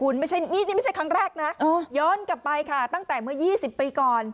คุณไม่ใช่นี่ไม่ใช่ครั้งแรกนะย้อนกลับไปค่ะตั้งแต่เมื่อ๒๐ปีก่อน